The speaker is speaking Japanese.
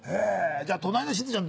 じゃ隣のしずちゃん